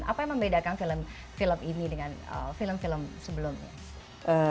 apa yang membedakan film film ini dengan film film sebelumnya